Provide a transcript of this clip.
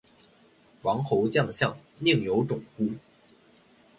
王侯将相，宁有种乎